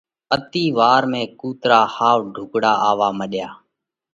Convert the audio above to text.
اتِي وار ۾ ڪُوترا ۿاوَ ڍُوڪڙا آوَوا مڏيا۔